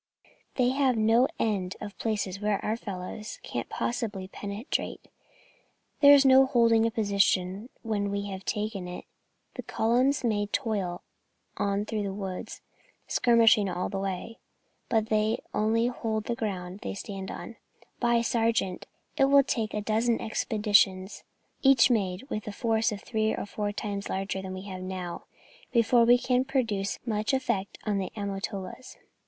They have no end of places where our fellows can't possibly penetrate. There's no holding a position when we have taken it. The columns may toil on through the woods, skirmishing all the way, but they only hold the ground they stand on. Why, sergeant, it will take a dozen expeditions, each made with a force three or four times larger than we have now, before we can produce much effect on the Amatolas."